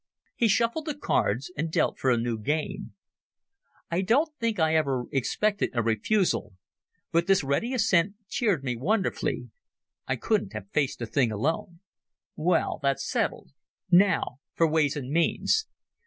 He shuffled the cards and dealt for a new game. I don't think I ever expected a refusal, but this ready assent cheered me wonderfully. I couldn't have faced the thing alone. "Well, that's settled. Now for ways and means.